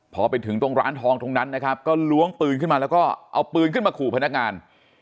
พอไปถึงตรงร้านทองตรงนั้นนะครับก็ล้วงปืนขึ้นมาแล้วก็เอาปืนขึ้นมาขู่พนักงาน